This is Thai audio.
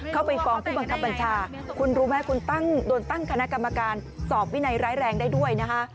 ไปฟ้องผู้บังคับบัญชาคุณรู้ไหมคุณตั้งโดนตั้งคณะกรรมการสอบวินัยร้ายแรงได้ด้วยนะคะ